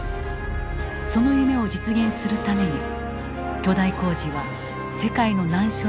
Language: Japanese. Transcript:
その夢を実現するために巨大工事は世界の難所に挑んできた。